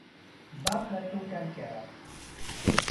Bas plateaux calcaires.